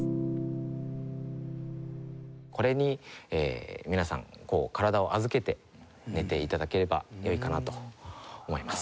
これに皆さん体を預けて寝て頂ければよいかなと思います。